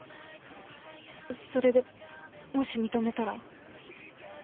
それでもし認めたら？